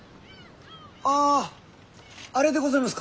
ああれでございますか。